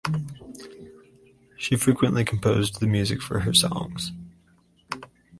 She frequently composed the music for her songs.